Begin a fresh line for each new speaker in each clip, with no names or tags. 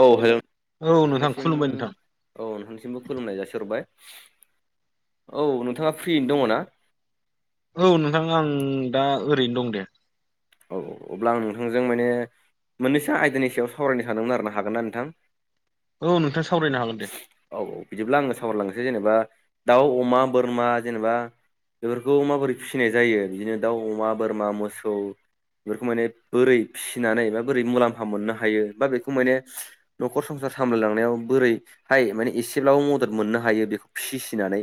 औ हेल'
औ नोंथां
नोंथांनिसिम
खुलुमबाय नोंथां
औ नोंथांसिमबो खुलुमनाय जासिहरबाय औ नोंथाङा फ्रिनो दङ ना।
औ नोंथां आं दा ओरैनो दं दे।
औ अब्ला आं नोंथांजों माने मोननसो आयदानि सायाव सावरायनो सानदोंमोन आरो ना। हागोन ना नोंथां?
औ नोंथां सावरायनो हागोन दे।
औ औ बिदिब्ला आङो सावरायलांनोसै जेनेबा दाउ अमा बोरमा जेनेबा बेफोरखौ माबोरै फिसिनाय जायो बिदिनो दाउ अमा बोरमा मोसौ। बेफोरखौ माने बोरै फिसिनानै बा बोरै मुलाम्फा मोननो हायो बा बेखौ माने न'खर संसार सामलायलांनायाव बोरै हाय माने एसेब्लाबो मदद मोननो हायो बेखौ फिसिनानै।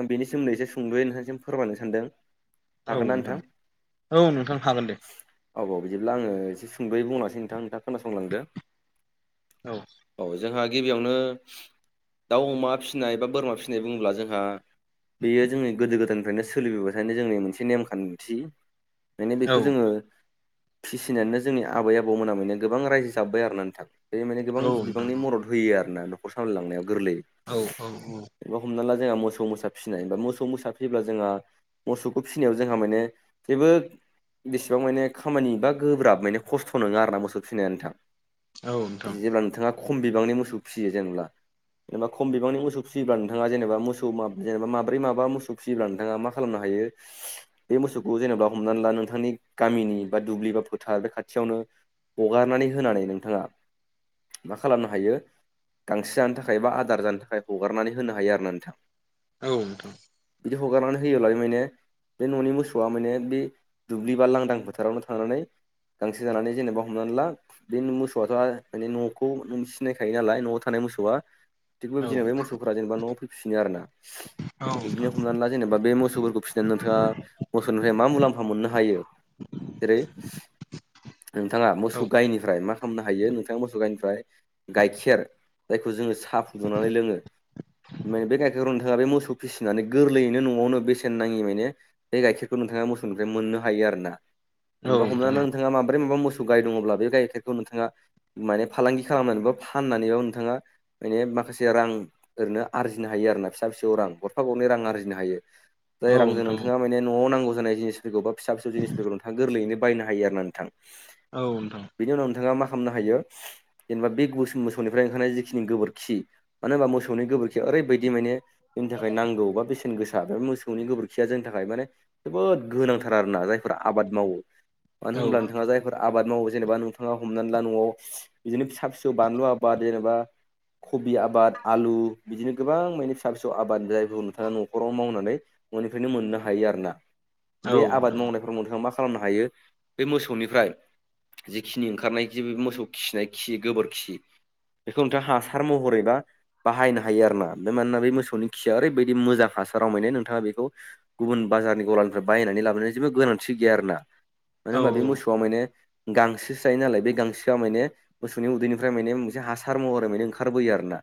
आं बेनि सोमोदै एसे सुंद'यै नोंथांनिसिम फोरमायनो सानदों।
औ
हागोन ना
नोंथां औ नोंथां हागोन दे।
औ औ बिदिब्ला आङो एसे सुंद'यै बुंलांनोसै नोंथाङा नोंथां खोनासंलांदो।
औ।
औ जोंहा गिबियावनो दाउ अमा फिसिनाय बा बोरमा फिसिनाय बुङोब्ला जोंहा बेयो जोंनि गोदो गोदायनिफ्रायनो सोलिबोबाय थानाय जोंनि मोनसे नेमखान्थि। एखायनो
औ
बेखौ जोङो फिसिनानैनो जोंनि आबै आबौ मोना माने गोबां रायजो जाबोबाय आरो नोंथां। बे माने गोबां
औ नोंथां
बिबांनि मदद होयो आरोना न'खर सामलायलांनायाव गोरलै।
औ औ औ।
हमना ला जोंहा मोसौ मोसा फिसिनाया मोसौ मोसा फिसिब्ला जोंहा मोसौखौ फिसिनायाव जोंहा माने जेबो बेसेबां माने खामानि बा गोब्राब माने खस्थ नङा आरोना मोसौ फिसिनाया नोंथां।
औ नोंथां
जेब्ला नोंथाङा खम बिबांनि मोसौ फिसियो जेनेब्ला। जेनेबा खम बिबां मोसौ फिसियोब्ला नोंथाङा जेनेबा मोसौ मा जेनेबा माब्रै माबा मोसौ फिसियोब्ला नोंथाङा मा खालामनो हायो। बे मोसौखौ जेनेबा हमनानै ला नोंथांनि गामिनि बा दुब्लि बा फोथार बे खाथियावनो हगारनानै होनानै नोंथाङा। मा खालामनो हायो गांसो जानो थाखाय बा आदार जानो थाखाय हगारनानै होनो हायो आरोना नोंथां।
औ नोंथां।
बिदि हगारनानै होयोब्ला बि माने बे न'नि मोसौआ माने बे दुब्लि बा लांदां फोथारावनो थांनानै गांसो जानानै जेनेबा हमनानै ला बे मोसौआथ' माने न'खौ सिनायखायो नालाय न'आव थानाय मोसौआ थिग बेदिनो बे मोसौफोरा जेनेबा न'आव फैफिनो आरोना
औ
बिदिनो हमनानै ला जेनेबा बे मोसौफोरखौ फिसि नोंथाङा मोसौनिफ्राय मा मुलाम्फा मोननो हायो जेरै नोंथाङा मोसौ गायनिफ्राय मा खालामनो हायो नोंथाङा मोसौ गाइनिफ्राय गाइखेर जायखौ जोङो साहा फुदुंनानै लोङो माने बे गाइखेरखौ नोंथाङा बे मोसौ फिसिनानै गोरलैयैनो न'आवनो बेसेन नाङि माने बे गाइखेरखौ नोंथाङा मोसौनिफ्राय मोननो हायो आरोना
औ
जेनेबा
नोंथां
हमना नों नोंथाङा माब्रै माबा मोसौ गाय दङब्ला बे गायखेरखौ नोंथाङा। माने फालांगि खालामनानै बा फाननानै बा नोंथाङा माने माखासे रां ओरैनो आरजिनो हायो आरोना फिसा फिसौ रां गरफा गरनै रां आरजिनो हायो। जाय
औ
रांजों
नोंथां
नोंथाङा माने न'आव नांगौ जानाय जिनिफोरखौ बा फिसा फिसौ जिनिफोरखौ नोंथाङ गोरैयैनो बायनो हायो आरो ना नोंथां।
औ नोंथां।
बेनि उनाव नोंथाङा मा खालामनो हायो जेनेबा बे गुस मोसौनिफ्राय ओंखारनाय जिखिनि गोबोरखि मानो होनबा मोसौनि गोबोरखिया ओरैबायदि माने जोंनि थाखाय नांगौ बा बेसेन गोसा बे मोसौनि गोबोरखिया जोंनि थाखाय ओ माने जोबोद गोनांथार आरोना जायफोरा आबाद मावो मानो
औ नोंथां औ नोंथां औ नोंथां औ नोंथां औ नोंथां औ नोंथां औ नोंथां
होनब्ला नोंथाङा जाय फोर आबाद मावो जेनेबा नोंथाङा हमनानै ला न'आव बिदिनो फिसा फिसौ बानलु आबाद जेनेबा कबि आबाद आलु बिदिनो गोबां माने फिसा फिसौ आबाद जायफोरखौ नोंथाङा न'खराव मावनानै। न'निफ्रायनो मोननो हायो आरो ना बे आबाद
औ
मावनायफोराव नोंथाङा मा खालामनो हायो बे मोसौनिफ्राय। जिखिनि ओंखारनाय जि बे मोसौ खिनाय खि गोबोरखि बेखौ नोंथाङा हासार महरै बा बाहायनो हायो आरोना बे मानोना बे मोसौनि खिया ओरैबायदि मोजां हासाराव माने नोंथाङा बेखौ। गुबुन बाजारनि गलानिफ्राय बायनानै लाबोनाय जेबो गोनांथि गैया आरोना मानो होनबा बे मोसौआ माने गांसो जायो नालाय बे गांसोआ माने मोसौनि उदैनिफ्राय माने मोनसे हासार महरै माने ओंखारबोयो आरो ना।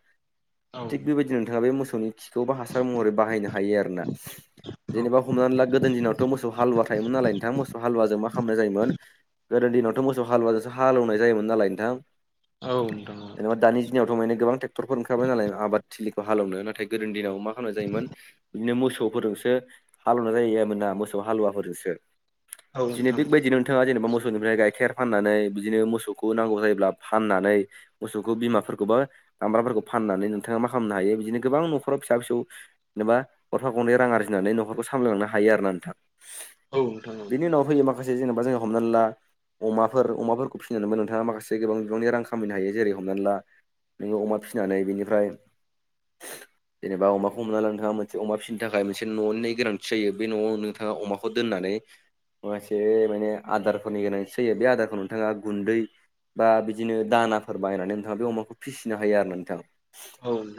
थिग बेबायदिनो नोंथाङा बे मोसौनि खौबो हासार महरै बाहायनो हायो आरोना जेनेबा हमनानै ला गोदोनि दिना मोस हालुवा थायोमोन नालाय नोंथां मोसौ हालुव जों मा खालामनाय जायोमोन। गोदोनि दिनावथ' मोसौ हालुवाजोंसो हालौवनाय जायोमोन नालाय नोंथां। जेनेबा दानि दिनावथ' माने गोबां ट्रेक्टरफोर ओंखारबाय नालाय आबाद थिलि हालेौनो नाथाय गोदोनि दिनाव मा खालामनाय जायोमोन बिदिनो मोसौफोरजोंसो हालौवनाय जायोना मोसौ हालुवाफोरजोंसो बेकबायदिनो नोंथाङा जेनेबा मोसौनिफ्राय गाइखेर फाननानै बिदिनो मोसौखौ नांगौ जायोब्ला फाननानै मोसौखौ बिमाफोरखौबा दामब्राफोरखौ फाननानै नोंथाङा मा खालामनो हायो बिदिनो गोबां न'खराव फिसा फिसौ जेनेबा गरफा गरनै रां आरजिनानै नखरखौ सामायांनो हायो आरो ना नोंथां। बिनि उनाव फैयो माखासे जेनेबा जों हमना ला अमाफोर अमाफोरखौ फिसिनानैबो नोंथाङा माखासे गोबां बिबांनि रां खामायनो हायो जेरै हमनानै ला नोङो अमा फिसिनानै बेनिफ्राय जेनेबा अमाखौ हमना ला नोंथाङा मोनसे अमा फिसिनो थाखाय मोनसे न'नि गोनांथि जायो बे न'आव ओ‌ अमाखौ दोन्नानै माखासे माने आदारफोरनि गोनांथि जैयो बे आदारखौ नोंथाङा गुन्दै बा बिदिनो दानाफोर बायनानै नोंथाङा बे अमाखौ फिसिनो हायो आरो ना नोंथाङा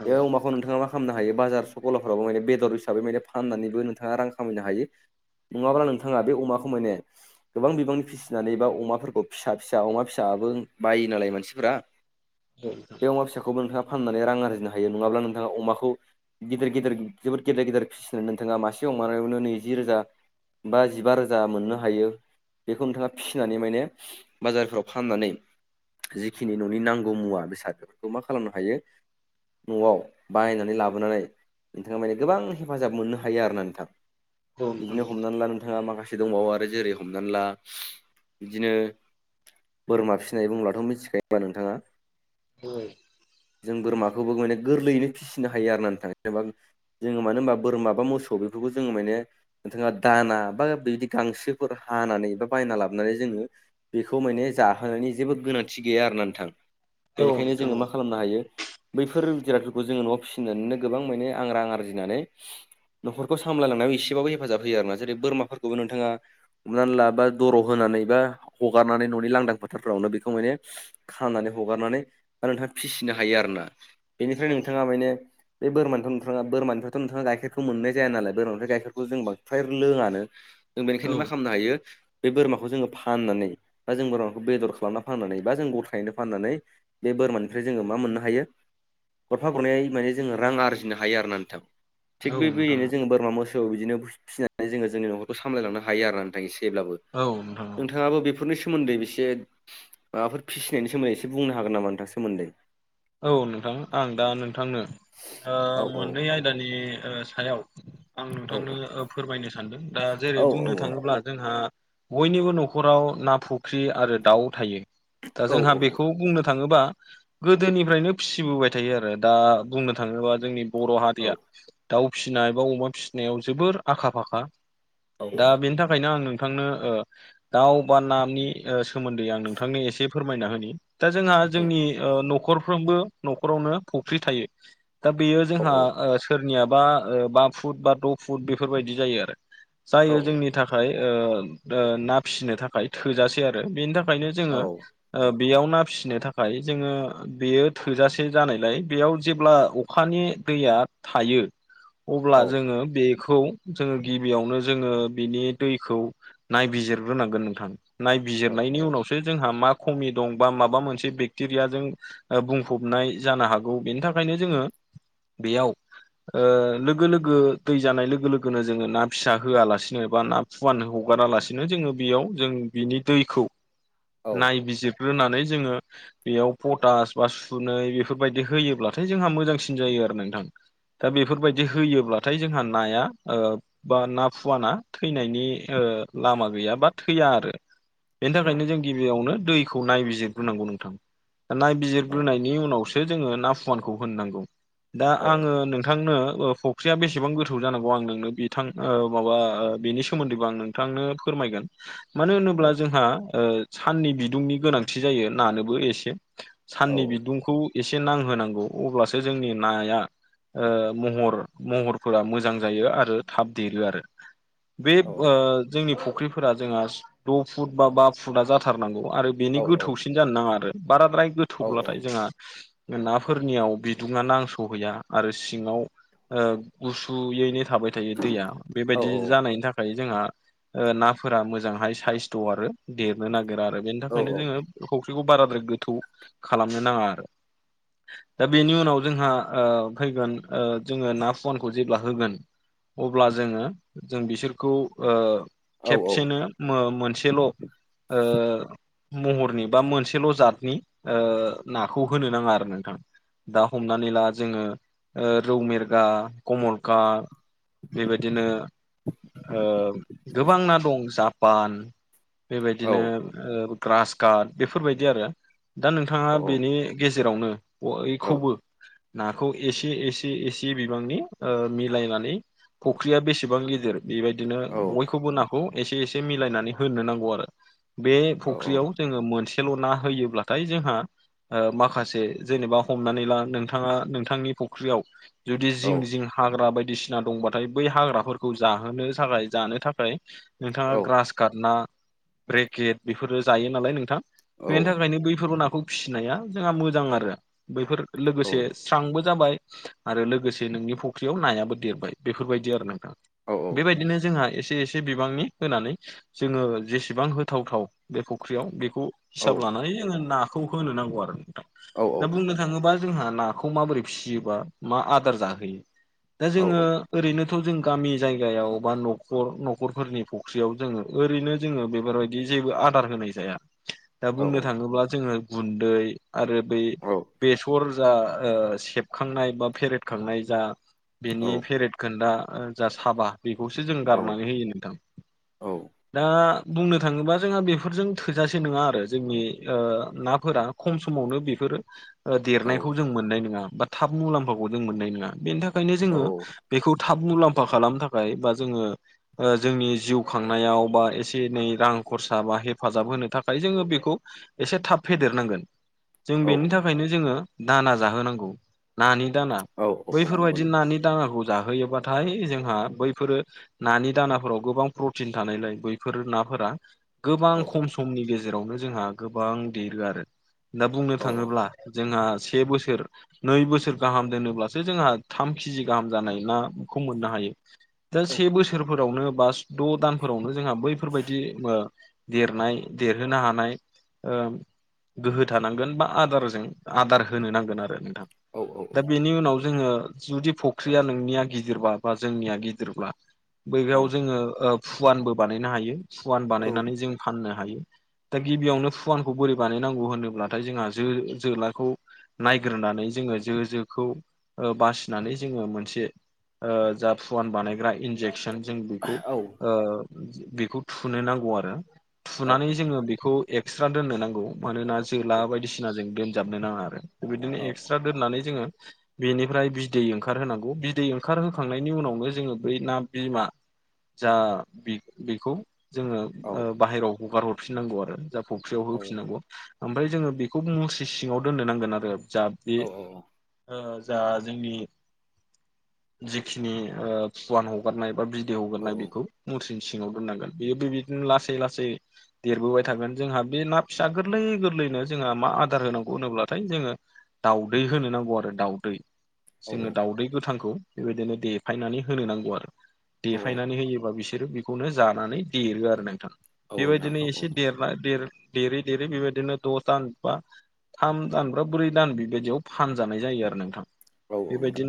बे अमाखौ। खौ नोंथाङा मा खालामनो हायो बाजार सखलाफ्रावबो माने बेदर हिसै माने फाननानैबो नोंथाङा रां खामायनो हायो। नङाब्ला नोंथाङा बे अमाखौ माने। गोबां बिबांनि फिसिनानै बा अमाफोरखौ फिसा फिसा अमा फिसाबो बायो नालाय मानसिफोरा बे अमा फिसाखौबो नोंथाङा फाननानै रां आरजिनो हायो नङाब्ला नोंथाङा अमाखौ। गिदिर गिदिर जोबोद गेदिर गेदेर फिसिनो नोंथाङा मासे अमानायावनो नैजि रोजा बा जिबा रोजा मोननो हायो। बेखौ नोंथाङा फिसिनानै माने बाजारफ्राव फाननानै जिखिनि न'नि नांगौ मुवा बेसाद बेफोरखौ मा खालामनो हायो न'आव बायनानै लाबोनानै नोंथाङा माने गोबां हेफाजाब मोननो हायो आरो ना नोंथां। बिदिनो हमनानै ला नोंथाङा माखासे दंबावो आरो जेरै हमनानै ला बिदिनो। बोरमा फिनाय बुंब्लाथ' मिथिखायो होमबा नोंथाङा।
ओइ
जों बोरमाखौबो माने गोरलैयैनो फिसिनो हायो आरो ना नोंथां जेनेबा जोङो मानो होनबा बोरमा बा मोसौ बेफोरखौ जोङो माने नोंथाङा दाना बा बिदि गांसोफोर हानानै बा बायना लाबोनानै जोङो बेखौ माने जाहोनायनि जेबो गोनांथि गैया आरोना नोंथां बेनिखायनो जोङो मा खालाम हायो बैफोर जिरादफोरखौ जोङो न'आव फिसिनानैनो गोबां माने आं रां आरजिनानै न'खरखौ सामलायलांनायाव एसेबाबो हेफाजाब होयो आरो आर ना जेरै बोरमाफोरखौबो नोंथाङा हमनानै ला बा दर' होनानै बा हगारनानै न'नि लांदां फोथारफ्रावनो बेखौ माने खानानै हगारनानै आरो नोंथाङा फिसिनो हायो आरोना बेनिफ्राय नोंथाङा माने बे बोरमानिथ' नोंथाङा बोरानिफ्रायथ' नोंथाङा गाइखेरखौ मोननाय जाया नालाय बोरमानिफ्राय गाइखेर जों फ्राय लोङानो जों बेनिखायनो मा खालामनो हायो बे बोरमाखौ जोङो फाननानै बा जों बोरमाखौ बेदर खालामना फाननानै बा जों गथायैनो फाननानै बे बोरमानिफ्राय जोङो मा मोननो हायो गरफा गरनै माने जोङो रां आरजिनो हायो आरो नोंथां थिग बेबायदिनो जोङो बोरमा मो सौ बिदिनो फसिनानै जोङो जोंनि नखरखौ सामलायलांनो हायो आरो ना नोंथां एसेब्लाबो
औ नोंथां औ
नोंथाङाबो बेफोरनि सो सोमोन्दै एसे माबाफोर फिसिनायनि सोमोन्दै एसे बुंनो हागोन नामा नोंथां सोमोन्दै
औ नोंथां आं दा नोंथांनो ओ
औ औ
मोननै आय दानि ओ सायाव आं
औ
नोंथांनो फोरमायनो सानदों दा जेरै
औ
बुंनो थाङोब्ला जोंहा बयनिबो न'खराव ना फुख्रि आरो दाउ थायो दा
औ
जोंहा बेखौ बुंनो थाङोबा गोदोनिफ्रायनो फिसिबोबाय थायो आरो दा बुंनो थाङोबा जोंनि बर'
औ
हारिया दाउ फिसिनाय बा अमा फिसिनायाव जोबोर आखा फाखा
औ
दा बेनि थाखायनो आं नों थांनो ओ दाउ बा नानि सोमोन्दै आं नोंथांनो एसे फोरमायना होनि दा जोंहा
उम
जोंनि ओ न'खरफ्रोमबो न'खरावनो फुख्रि थायो दा बेयो
औ
जोंहा ओ सोरनियाबा ओ बा फुट बा द' फुट बेफोरबायदि जायो आरो
औ
जायो जोंनि थाखाय ओ ओ ना फिसिनो थाखाय थोजासे आरो बेनि था खायनो
औ
जोङो ओ बेयाव ना फिसिनो थाखाय जोङो बेयो थोजासे जानायलाय बेयाव जेब्ला अखानि दैया थायो अब्ला
औ
जोंङो बे खौ जोंङो गिबियावनो जोङो बिनि दैखौ नायबिजिरग्रोनांगोन नोंथां
औ
नायबिजिरनायनि उनावसो जोंहा मा खमि दं बा माबा मोनसे बेक्टेरियाजों ओ बुंफबनाय जानो हागौ बेनि थाखायनो जोङो बेयाव ओ लोगो लोगो दै जानाय लोगो लोगोनो जोङो ना फिसा होआलासिनो बा ना फुवान हगारालासिनो जोंङो बेयाव जों बिनि दैखौ
औ
नायबिजिरग्रोनानै जोङो बेयाव पटास बा सुनै बेफोरबायदि होयोब्लाथाय जोंहा मोजांसिन जायो आरो नोंथां दा बेफोरबायदि होयोब्लाथाय जोंहा नाया ओ बा ना फुवाना थैनायनि ओ लामा गैया बा थैया आरो बेनि
औ
थाखायनो जों गिबियावनो दैखौ नायबिजिरग्रोनांगौ नोंथां नायबिजिरग्रोनायनि उनावसो जोंङो ना फुवानखौ होननांगौ दा
औ
आंङो नों नोंथांनो फुख्रिया बेसेबां गोथौ जानांगौ आं नोंनो बिथां माबा बिनि सोमोन्दैबो आं नों नोंथांनो फोरमायगोन मानो होनोब्ला
औ
जोंहा ओ साननि बिदुंनि गोनांथि जायो नानोबो एसे
औ
साननि
औ
बिदुंखौ एसे नांहोनांगौ अब्लासो जोंनि नाया ओ महर महरफोरा मोजां जायो आरो थाब देरो आरो बे ओ जोंनि फुख्रिफोरा जोंहा द' फुट बा बा फुटा जाथारनांगौ आरो बेनि गोथौसिन जानो नाङा आरो बाराद्राय गोथौब्लाथाय जोंहा नाफोरनियाव बिदुङा नांस'हैया आरो सिङाव ओ, गुसुयैनो थाबाय थाय दैया बेबायदि जानायनि थाखाय जोंहा नाफोरा मोजांहाय साइस दं आरो देरनो नागिरा आरो बेनि थाखायनो जोङो फुख्रिखौ बाराद्राय गोथौ खालामनो नाङा आरो। दा बेनि उनाव जोंहा फैगोन जोंङो ना फुवानखौ जेब्ला होगोन अब्ला जोंङो जों बिसोरखौ ओ खेबसेनो मोनसेल' महरनि बा मोनसेल' जादनि नाखौ होनो नांङा आरो नोंथां। दा हमनानै ला जोंङो रौ मेरगा कमलकात बेबायदिनो गोबां ना दं जापान बेबायदिनो ग्रास काट बेफोरबायदि आरो दा नोंथांङा बेनि गेजेराव जेरावनो बयखौबो नाखौ एसे एसे एसे बिबांनि मिलायनानै फख्रिया बेसेबां गिदिर बेबायदिनो बयखौबो नाखौ एसे एसे मिलायनानै होनो नांगौ आरो बे फुख्रियाव जोंङो मोनसेल' ना होयोब्ला? दाय जोंहा माखासे जेनेबा हमनानै ला नोंथाङा नोंथांनि फुख्रियाव जुदि जिं जिं हाग्रा बायदिसिना दंबाथाय बै हाग्राफोरखौ जाहोनो थाखाय जानो थाखाय नोंथाङा ग्रास गटना ब्रेकेट बेफोरो जायो नालाय नोंथां बेनि थाखायनो बै बे नाखौ फिसिनाया जोंहा मोजां आरो बफोर
औ
स जाबाय आरो लोगोसे नोंनि फख्रियाव नायाबो देरबाय बेफोरबादि आरो नोंथां।
औ
बेबायदिनो जोंहा एसे एसे बिबांनि होनानै जोंङो जेसेबां होथावथाव बे फुख्रियाव बेखौ
औ
हिसाब लानानै जोङो नाखौ होनो नांगौ आरो
औ
दा बुंनो थाङोबा जोंहा नाखौ माबोरै फिसियोबा मा आदार जाहोयो दा
औ
जोङो। ओरैनोथ' जों गामि जायगायाव बा नखर नखरफोरनि फख्रियाव जोङो ओरैनो जोङो बेफोरबादि जेबो आदार होनाय जाया
[inaudible]
दा बुंनो थाङोब्ला जोङो गुन्दै आरो बै
औ
बेसर जा सेबखांनाय बा फेरेदखांनाय जा
औ
बेनि फेरेद खोन्दा जा साबा बेखौसो जों गारनानै होयो नोंथां
औ
दा बुंनो थाङोबा जोंहा बेफोरजों थोजासे नङा आरो जोंनि ओ नाफोरा खम समावनो बेफोर देरनायखौ जों मोननाय नोङा बा थाब मुलाम्फाखौ जों मोननाय नङा बेनि थाखायनो जोङो बेखौ थाब मुलाम्फा खालामनो थाखाय बा जोङो ओ जोंनि जिउ खांनायाव बा एसे एनै रां खरसा बा हेफाजाब होनो थाखाय जोङो बेखौ एसे थाब फेदेरनांगोन जों
औ
बेनि थाखायनो जोङो दाना जाहोनांगौ नानि दाना
औ औ नंगौ
बैफोरबायदि
नंगौ
नानि दानाखौ जाहोयोबा। थाय जोंहा बैफोरो नानि दानाफोराव गोबां प्रटिन थानायलाय बैफोर नाफोरा गोबां
औ
खम समनि गेजेरावनो जोंहा गोबां देरो आरो दा बुंनो
औ
थाङोब्ला जोंहा से बोसोर नै बोसोर गाहाम दोनोब्लासो जोंहा थाम केजि गाहाम जानाय नाखौ मोननो हायो। दा से बोसोरफोरावनो बा द' दानफोरावनो जोंहा ओ बैफोरबायदि देरनाय देरहोनो हानाय ओ गोहो थानांगोन बा आदारजों आदार होनो नांगोन आरो।
औ
दा बेनि उनाव जोङो। जुदि फख्रिया नोंनिया गिदिरब्ला बा जोंनिया गिदिरब्ला बै बेयाव जोङो फुवानबो बानायनो हायो फुवान
औ
बानायनानै जों फाननो हायो दा गिबियावनो फुवानखौ बोरै बानायनांगौ होनोब्लाथाय जोंहा जो जोलाखौ नायग्रोनानै जोङो जो जोखौ ओ बासिनानै जोङो मोनसे ओ जा फुवान बानायग्रा इनजेकसन जों बेखौ
औ
ओ बेखौ थुनो नांगौ आरो थुनानै
औ
जोङो बेखौ एक्सट्रा दोननो नांगौ मानोना जोला बायदिसिना जों दोनजाबनो नाङा आरो बिदिनो एक्सट्रा दोननानै जोङो बेनिफ्राय बिदै ओंखार होनांगौ बिदै ओंखार होखांनायनि उनावनो जोङो बै ना बिमा जा बि बिखौ जोङो बाहेराव हगार हरफिननांगौ आरो जा फख्रियाव
औ
होफिननांगौ ओमफ्राय जोङो बेखौ मुस्रि सिङाव दोननो नांगोन आरो जा बे ओ जा जोंनि जिखिनि ओ फुवान हगारनाय बा बि दै हगारनाय बेखौ मुथ्रिनि सिङाव दोननांगोन बेयो बे बिदिनो लासै लासै देरबोबाय थागोन जोंहा बे ना फिसा गोरलै गोरलैनो जोंहा मा आदार होनांगौ होनोब्लाथाय जोङो दाउदै होनो नांगौ आरो दाउदै। जोङो दाउदै गोथांखौ बेबायदिनो देफायनानै होनो नांगौ आरो। देफायनानै होयोबा बिसोरो बेखौनो जानानै देरो आरो नोंथां बेबायदिनो एसे देर बा देर देरै देरै बेबायदिनो दान बा थाम दान बा ब्रै दान बेबायदियाव फानजानाय जायो आरो नोंथां।
औ औ नोंथां।
बेबायदिनो